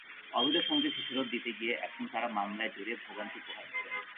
অবৈধ সংযোগের খেসারত দিতে গিয়ে এখন তাঁরা মামলায় জড়িয়ে ভোগান্তি পোহাচ্ছেন।